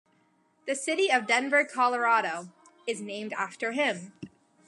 The city of Denver, Colorado, is named after him.